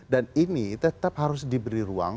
dan ini tetap harus diberi ruang